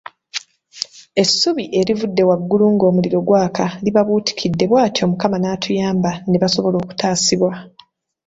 Essubi erivudde waggulu ng'omuliro gwaka libabuutikidde bwatyo Mukama naatuyamba nebasobola okutaasibwa.